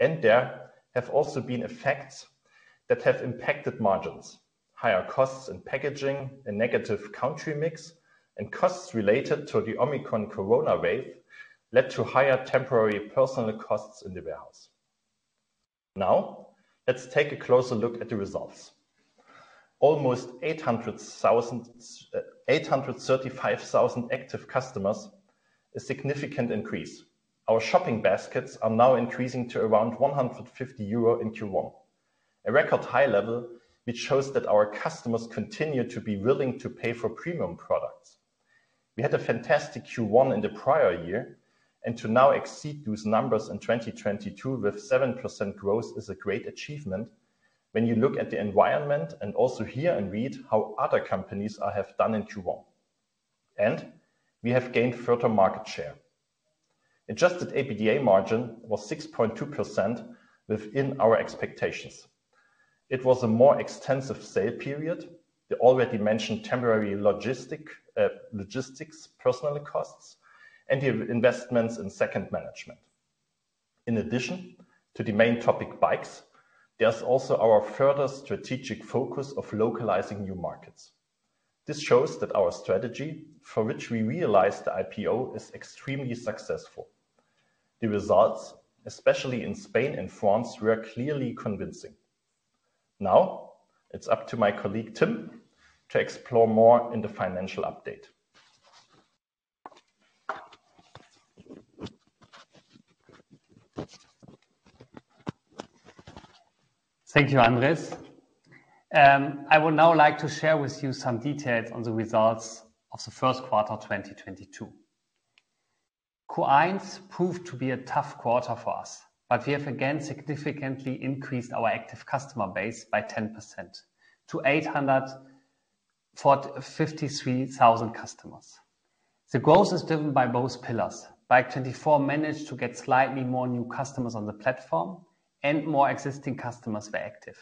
There have also been effects that have impacted margins. Higher costs in packaging and negative country mix and costs related to the Omicron corona wave led to higher temporary personnel costs in the warehouse. Now, let's take a closer look at the results. Almost 835,000 active customers, a significant increase. Our shopping baskets are now increasing to around 150 euro in Q1, a record high level which shows that our customers continue to be willing to pay for premium products. We had a fantastic Q1 in the prior year, and to now exceed those numbers in 2022 with 7% growth is a great achievement when you look at the environment and also hear and read how other companies have done in Q1. We have gained further market share. Adjusted EBITDA margin was 6.2% within our expectations. It was a more extensive sale period, the already mentioned temporary logistics personnel costs, and the investments in segment management. In addition to the main topic, bikes, there's also our further strategic focus of localizing new markets. This shows that our strategy, for which we realized the IPO, is extremely successful. The results, especially in Spain and France, were clearly convincing. Now it's up to my colleague, Timm, to explore more in the financial update. Thank you, Andrés. I would now like to share with you some details on the results of the first quarter, 2022. Q1 proved to be a tough quarter for us, but we have again significantly increased our active customer base by 10% to 853,000 customers. The growth is driven by both pillars. Bike24 managed to get slightly more new customers on the platform and more existing customers were active.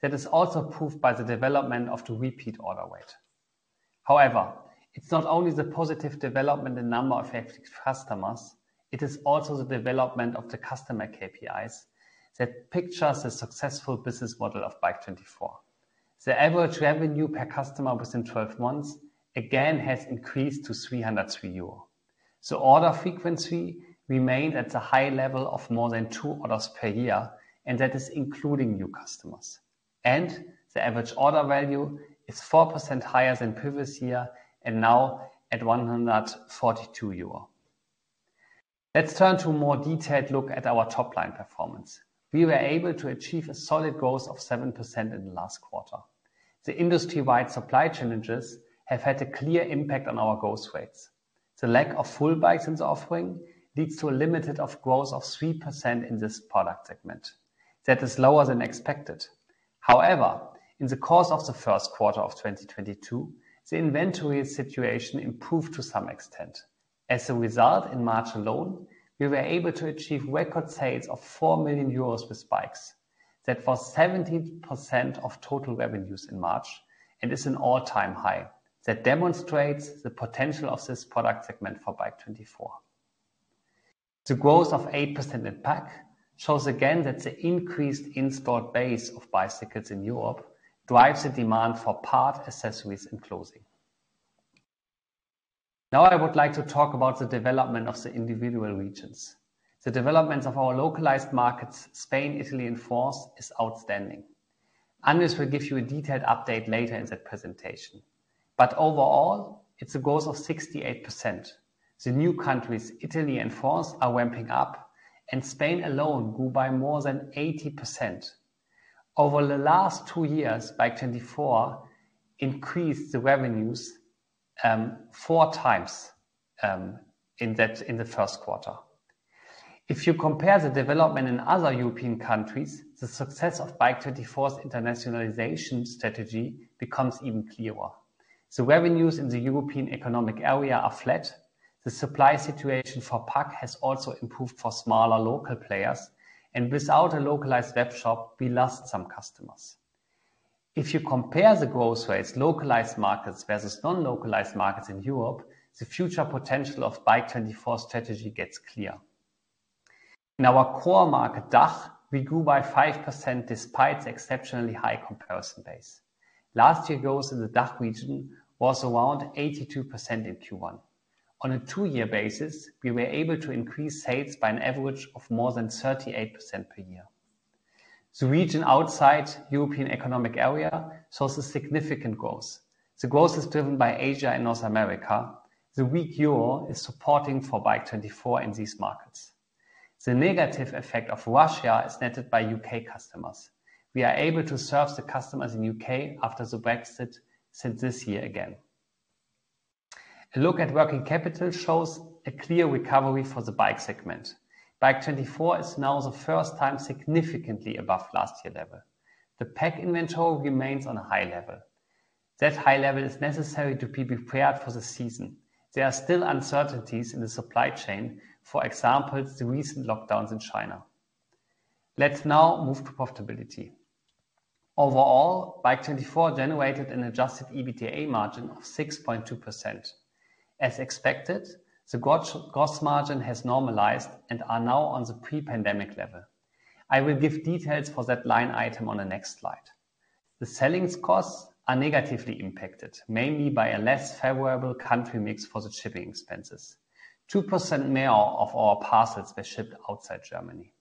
That is also proved by the development of the repeat order rate. However, it's not only the positive development in number of active customers, it is also the development of the customer KPIs that pictures the successful business model of Bike24. The average revenue per customer within 12 months again has increased to 303 euro. The order frequency remained at the high level of more than two orders per year, and that is including new customers. The average order value is 4% higher than previous year and now at 142 euro. Let's turn to a more detailed look at our top-line performance. We were able to achieve a solid growth of 7% in the last quarter. The industry-wide supply challenges have had a clear impact on our growth rates. The lack of full bikes in the offering leads to limited growth of 3% in this product segment. That is lower than expected. However, in the course of the first quarter of 2022, the inventory situation improved to some extent. As a result, in March alone, we were able to achieve record sales of 4 million euros with bikes. That was 17% of total revenues in March and is an all-time high. That demonstrates the potential of this product segment for Bike24. The growth of 8% in PAC shows again that the increased installed base of bicycles in Europe drives the demand for parts, accessories, and clothing. Now, I would like to talk about the development of the individual regions. The developments of our localized markets, Spain, Italy, and France, is outstanding. Andrés will give you a detailed update later in the presentation, but overall, it's a growth of 68%. The new countries, Italy and France, are ramping up, and Spain alone grew by more than 80%. Over the last two years, Bike24 increased the revenues four times in the first quarter. If you compare the development in other European countries, the success of Bike24's internationalization strategy becomes even clearer. The revenues in the European economic area are flat. The supply situation for PAC has also improved for smaller local players. Without a localized webshop, we lost some customers. If you compare the growth rates localized markets versus non-localized markets in Europe, the future potential of Bike24's strategy gets clear. In our core market, DACH, we grew by 5% despite the exceptionally high comparison base. Last year growth in the DACH region was around 82% in Q1. On a 2-year basis, we were able to increase sales by an average of more than 38% per year. The region outside European economic area shows a significant growth. The growth is driven by Asia and North America. The weak euro is supporting for Bike24 in these markets. The negative effect of Russia is netted by UK customers. We are able to serve the customers in U.K. after the Brexit since this year again. A look at working capital shows a clear recovery for the bike segment. Bike24 is now the first time significantly above last year level. The PAC inventory remains on a high level. That high level is necessary to be prepared for the season. There are still uncertainties in the supply chain, for example, the recent lockdowns in China. Let's now move to profitability. Overall, Bike24 generated an adjusted EBITDA margin of 6.2%. As expected, the gross margin has normalized and are now on the pre-pandemic level. I will give details for that line item on the next slide. The selling costs are negatively impacted, mainly by a less favorable country mix for the shipping expenses. 2% more of our parcels were shipped outside Germany.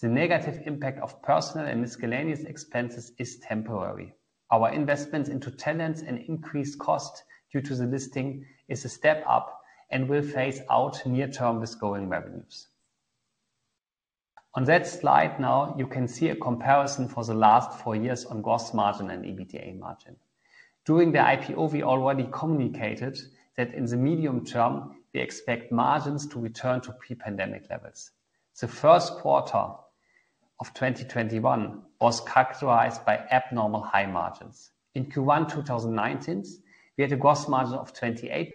The negative impact of personnel and miscellaneous expenses is temporary. Our investments into talent and increased cost due to the listing is a step up and will phase out near-term vis-à-vis the revenues. On that slide now, you can see a comparison for the last four years on gross margin and EBITDA margin. During the IPO, we already communicated that in the medium term, we expect margins to return to pre-pandemic levels. The first quarter of 2021 was characterized by abnormally high margins. In Q1 2019, we had a gross margin of 28%,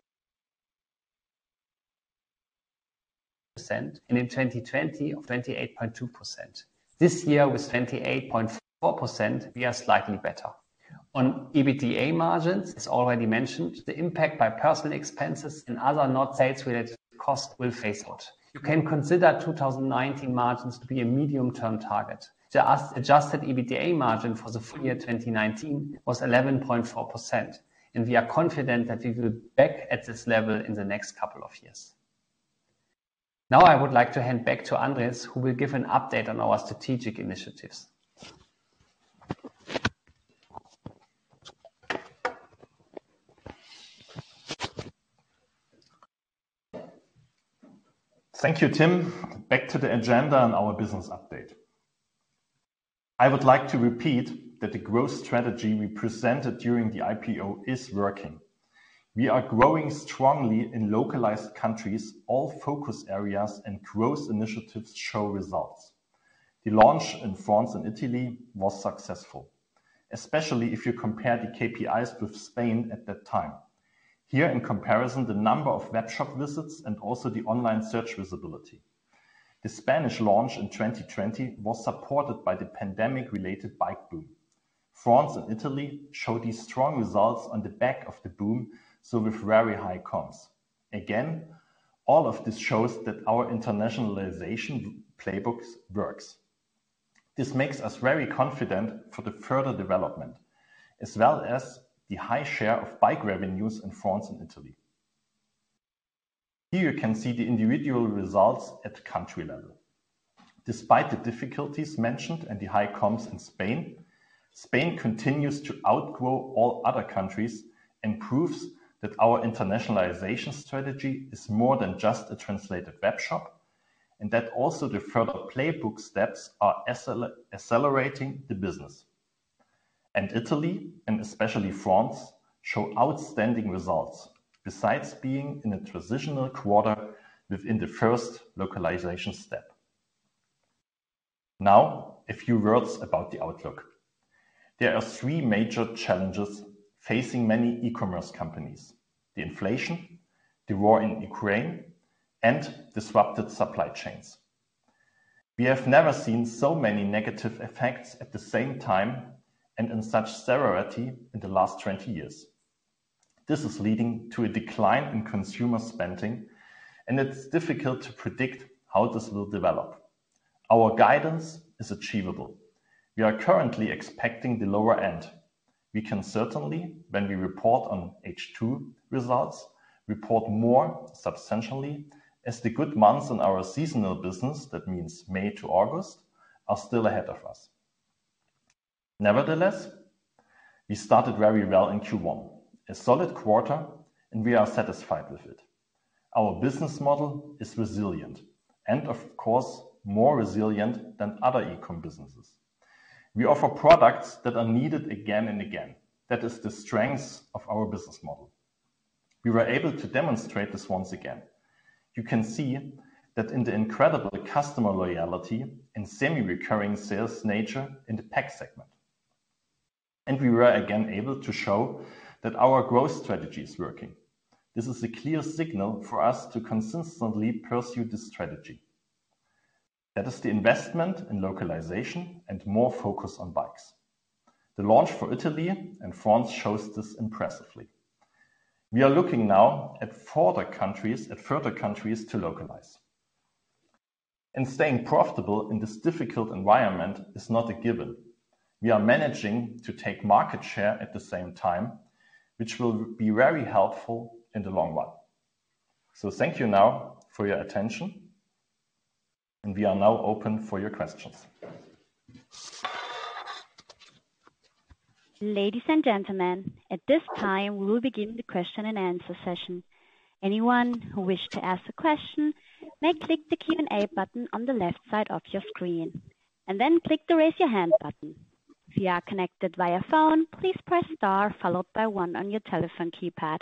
and in 2020 of 28.2%. This year with 28.4%, we are slightly better. On EBITDA margins, as already mentioned, the impact by personnel expenses and other not sales-related costs will phase out. You can consider 2019 margins to be a medium-term target. The as-adjusted EBITDA margin for the full year 2019 was 11.4%, and we are confident that we will be back at this level in the next couple of years. I would like to hand back to Andrés, who will give an update on our strategic initiatives. Thank you, Tim. Back to the agenda on our business update. I would like to repeat that the growth strategy we presented during the IPO is working. We are growing strongly in localized countries. All focus areas and growth initiatives show results. The launch in France and Italy was successful, especially if you compare the KPIs with Spain at that time. Here in comparison, the number of webshop visits and also the online search visibility. The Spanish launch in 2020 was supported by the pandemic-related bike boom. France and Italy show these strong results on the back of the boom, so with very high comps. Again, all of this shows that our internationalization playbook works. This makes us very confident for the further development as well as the high share of bike revenues in France and Italy. Here you can see the individual results at country level. Despite the difficulties mentioned and the high costs in Spain continues to outgrow all other countries and proves that our internationalization strategy is more than just a translated webshop, and that also the further playbook steps are accelerating the business. Italy, and especially France, show outstanding results, besides being in a transitional quarter within the first localization step. Now, a few words about the outlook. There are three major challenges facing many e-commerce companies. The inflation, the war in Ukraine, and disrupted supply chains. We have never seen so many negative effects at the same time and in such severity in the last 20 years. This is leading to a decline in consumer spending, and it's difficult to predict how this will develop. Our guidance is achievable. We are currently expecting the lower end. We can certainly, when we report on H2 results, report more substantially as the good months in our seasonal business, that means May to August, are still ahead of us. Nevertheless, we started very well in Q1, a solid quarter, and we are satisfied with it. Our business model is resilient and of course more resilient than other e-com businesses. We offer products that are needed again and again. That is the strength of our business model. We were able to demonstrate this once again. You can see that in the incredible customer loyalty and semi-recurring sales nature in the PAC segment. We were again able to show that our growth strategy is working. This is a clear signal for us to consistently pursue this strategy. That is the investment in localization and more focus on bikes. The launch for Italy and France shows this impressively. We are looking now at further countries to localize. Staying profitable in this difficult environment is not a given. We are managing to take market share at the same time, which will be very helpful in the long run. Thank you now for your attention, and we are now open for your questions. Ladies and gentlemen, at this time, we will begin the question and answer session. Anyone who wish to ask a question may click the Q&A button on the left side of your screen, and then click the Raise Your Hand button. If you are connected via phone, please press star followed by one on your telephone keypad.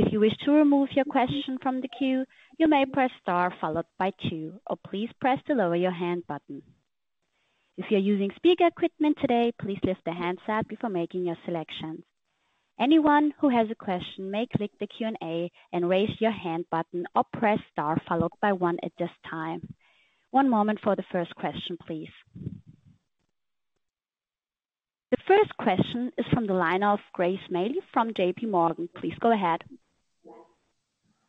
If you wish to remove your question from the queue, you may press star followed by two, or please press the Lower Your Hand button. If you're using speaker equipment today, please lift the handset before making your selections. Anyone who has a question may click the Q&A and raise your hand button or press star followed by one at this time. One moment for the first question, please. The first question is from the line of Grace Smalley from J.P. Morgan. Please go ahead.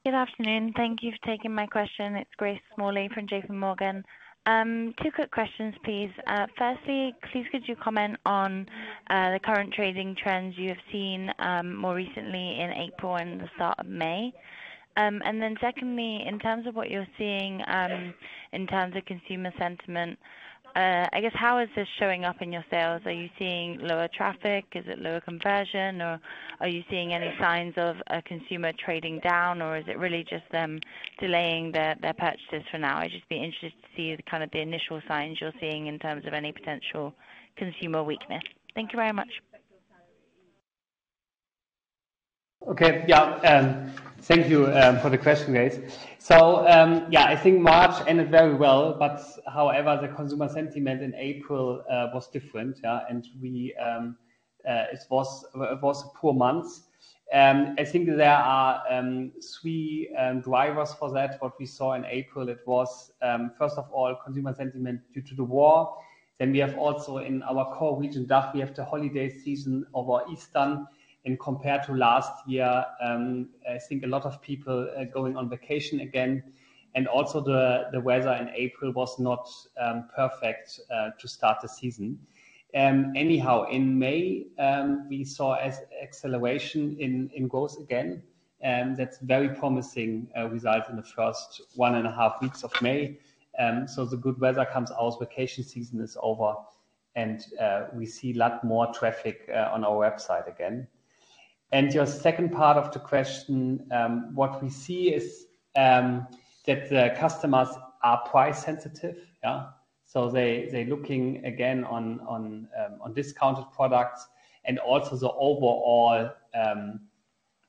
Good afternoon. Thank you for taking my question. It's Grace Smalley from J.P. Morgan. Two quick questions, please. First, please could you comment on the current trading trends you have seen more recently in April and the start of May? Then, second, in terms of what you're seeing in terms of consumer sentiment, I guess how is this showing up in your sales? Are you seeing lower traffic? Is it lower conversion, or are you seeing any signs of a consumer trading down, or is it really just them delaying their purchases for now? I'd just be interested to see the kind of initial signs you're seeing in terms of any potential consumer weakness. Thank you very much. Okay. Yeah. Thank you for the question, Grace. I think March ended very well. However, the consumer sentiment in April was different. It was a poor month. I think there are three drivers for that. What we saw in April, it was first of all, consumer sentiment due to the war. We have also in our core region, DACH, we have the holiday season over Easter. Compared to last year, I think a lot of people are going on vacation again. Also the weather in April was not perfect to start the season. Anyhow, in May, we saw acceleration in growth again, that's very promising results in the first one and a half weeks of May. The good weather comes out, vacation season is over, and we see lot more traffic on our website again. Your second part of the question, what we see is that the customers are price sensitive. Yeah. They looking again on discounted products. Also the overall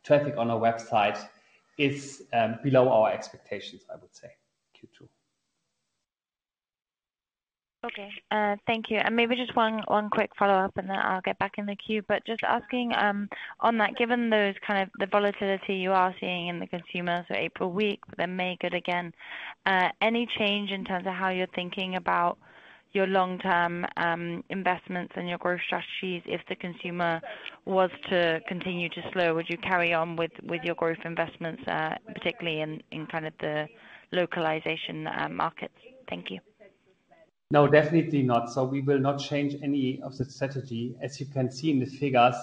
traffic on our website is below our expectations, I would say, Q2. Okay, thank you. Maybe just one quick follow-up, and then I'll get back in the queue. Just asking, on that, given those kind of the volatility you are seeing in the consumer, so April weak but then May good again, any change in terms of how you're thinking about your long-term, investments and your growth strategies if the consumer was to continue to slow, would you carry on with your growth investments, particularly in kind of the localization markets? Thank you. No, definitely not. We will not change any of the strategy. As you can see in the figures,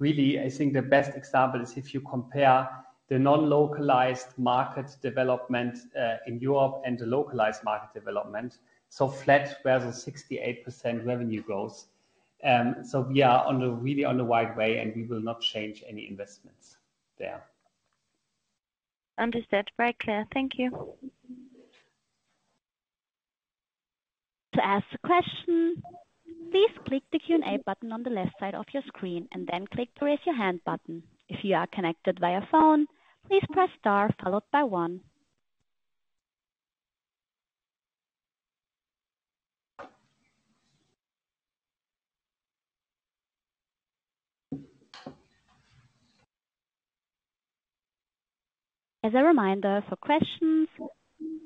really, I think the best example is if you compare the non-localized market development in Europe and the localized market development, so flat versus 68% revenue growth. We are on the right way, and we will not change any investments there. Understood. Very clear. Thank you. To ask a question, please click the Q&A button on the left side of your screen and then click the Raise Your Hand button. If you are connected via phone, please press star followed by one. As a reminder, for questions,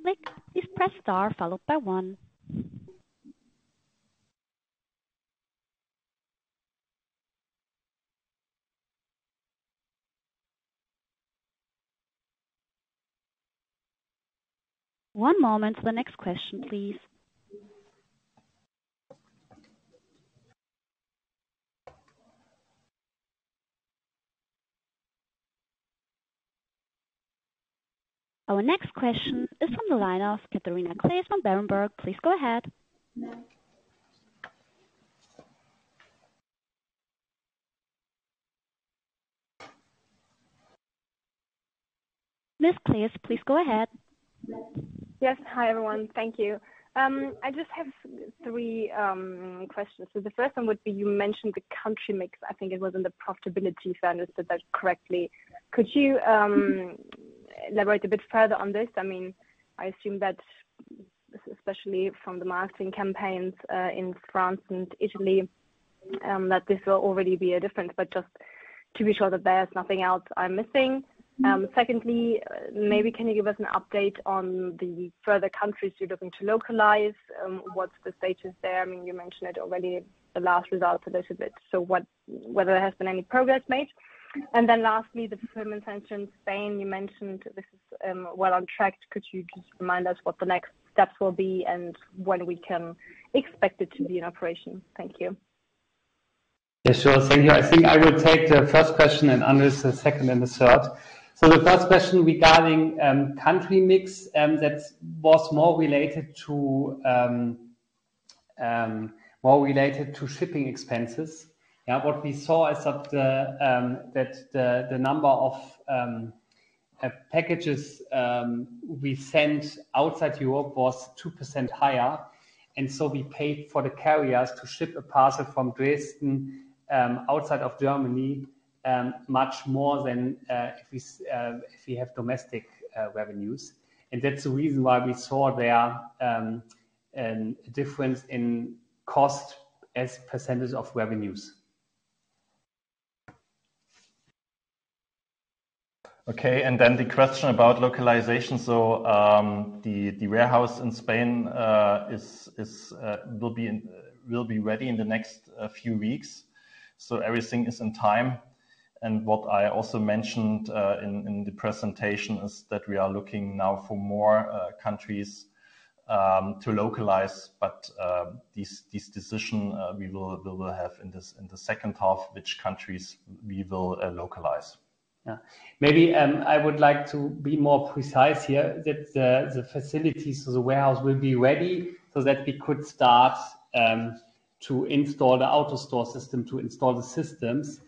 please press star followed by one. One moment for the next question, please. Our next question is from the line of Catharina Claes from Berenberg. Please go ahead. Miss Claes, please go ahead. Yes. Hi, everyone. Thank you. I just have three questions. The first one would be, you mentioned the country mix, I think it was in the profitability slide, if I said that correctly. Could you elaborate a bit further on this? I mean, I assume that especially from the marketing campaigns in France and Italy that this will already be a difference, but just to be sure that there's nothing else I'm missing. Secondly, maybe can you give us an update on the further countries you're looking to localize? What's the status there? I mean, you mentioned it already, the last results a little bit. Whether there has been any progress made. Lastly, the fulfillment center in Spain, you mentioned this is well on track. Could you just remind us what the next steps will be and when we can expect it to be in operation? Thank you. Yeah, sure. Thank you. I think I will take the first question and Andrés, the second and the third. The first question regarding country mix, that was more related to shipping expenses. Yeah. What we saw is that the number of packages we sent outside Europe was 2% higher, and so we paid for the carriers to ship a parcel from Dresden outside of Germany much more than if we have domestic revenues. That's the reason why we saw there a difference in cost as percentage of revenues. The question about localization. The warehouse in Spain will be ready in the next few weeks, so everything is on time. What I also mentioned in the presentation is that we are looking now for more countries to localize. This decision we will have in the second half which countries we will localize. Yeah. Maybe I would like to be more precise here that the facilities of the warehouse will be ready so that we could start to install the AutoStore system, to install the systems.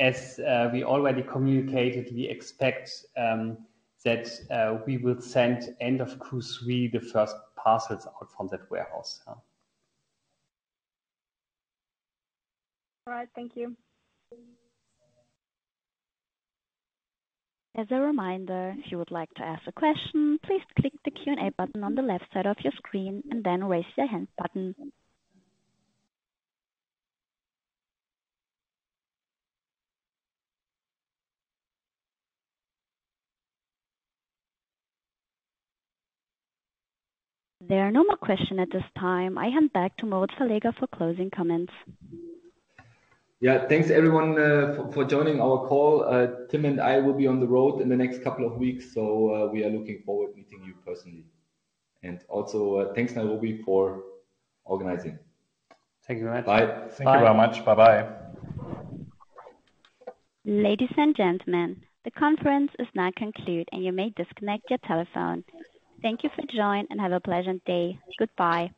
As we already communicated, we expect that we will send end of Q3 the first parcels out from that warehouse. Yeah. All right. Thank you. As a reminder, if you would like to ask a question, please click the Q&A button on the left side of your screen and then raise your hand button. There are no more questions at this time. I hand back to Moritz Verleger for closing comments. Yeah. Thanks everyone for joining our call. Timm and I will be on the road in the next couple of weeks, so we are looking forward meeting you personally. Also, thanks Nathalie for organizing. Thank you very much. Bye. Bye. Thank you very much. Bye-bye. Ladies and gentlemen, the conference is now concluded, and you may disconnect your telephone. Thank you for joining, and have a pleasant day. Goodbye.